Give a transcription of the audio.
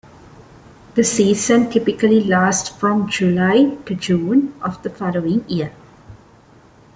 The season typically lasts from July to June of the following year.